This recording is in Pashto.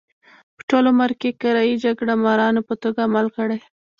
په ټول عمر کې یې کرایي جګړه مارانو په توګه عمل کړی.